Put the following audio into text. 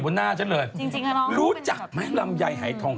เพราะวันนี้หล่อนแต่งกันได้ยังเป็นสวย